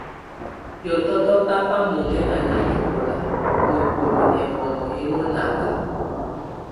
Hiɔtɔ́yɔ kába mønŋɛŋa nanɛkɔla nəbúlu ɛmbɔnŋo yɛnɔ náka.